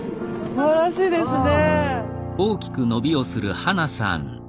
すばらしいですね。